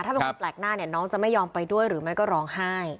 ถ้าเป็นคนแปลกหน้าเนี่ยน้องจะไม่ยอมไปด้วยหรือไม่ก็ร้องไห้